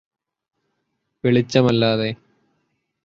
വെളിച്ചമല്ലാതെ